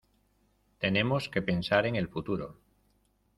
Tenemos que pensar en el futuro.